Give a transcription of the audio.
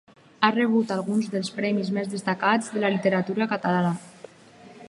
Ha rebut alguns dels premis més destacats de la literatura catalana.